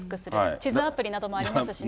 地図アプリなどもありますよね。